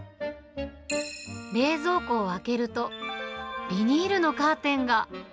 冷蔵庫を開けると、ビニールのカーテンが。